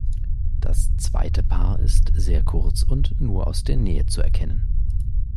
Das zweite Paar ist sehr kurz und nur aus der Nähe zu erkennen.